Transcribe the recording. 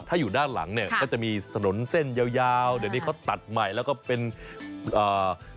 ถ้าอยู่ด้านหลังเนี่ยก็จะมีถนนเส้นยาวยาวเดี๋ยวนี้เขาตัดใหม่แล้วก็เป็นเอ่อ